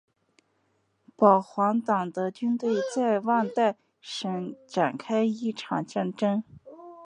保皇党的军队在旺代省展开一场战争。